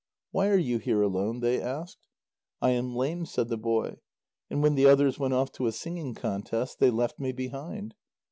"Why are you here alone?" they asked. "I am lame," said the boy, "and when the others went off to a singing contest, they left me behind."